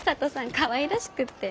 かわいらしくって。